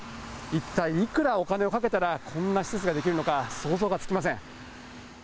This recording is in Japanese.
一体いくらお金をかけたら、こんな施設が出来るのか、想像がつきません。